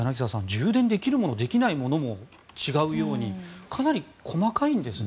充電できるもの、できないものも違うようにかなり細かいんですね。